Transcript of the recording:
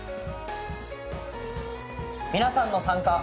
皆さんの参加。